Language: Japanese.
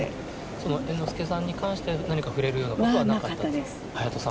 その猿之助さんに関して、何か触れるようなことはなかった？なかったです。